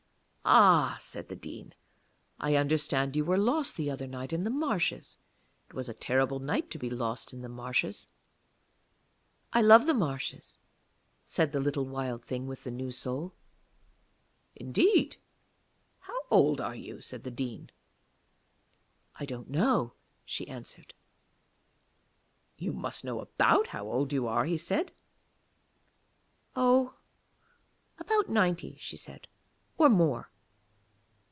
'Ah,' said the Dean, 'I understand you were lost the other night in the marshes. It was a terrible night to be lost in the marshes.' 'I love the marshes,' said the little Wild Thing with the new soul. 'Indeed! How old are you?' said the Dean. 'I don't know,' she answered. 'You must know about how old you are,' he said. 'Oh, about ninety,' she said, 'or more.'